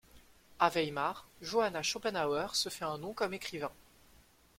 A Weimar, Johanna Schopenhauer se fait un nom comme écrivain.